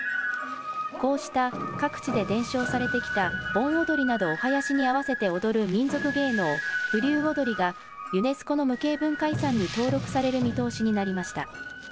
こうした各地で伝承されてきた盆踊りなどお囃子に合わせて踊る民俗芸能、風流踊がユネスコの無形文化遺産に登録される見通しになりました。